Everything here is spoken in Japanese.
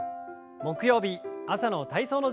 木曜日朝の体操の時間です。